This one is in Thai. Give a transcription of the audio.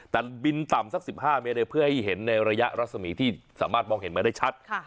แต่บินต่ำสัก๑๕เมตรเพื่อให้เห็นในระยะรัศมีที่สามารถมองเห็นมาได้ชัด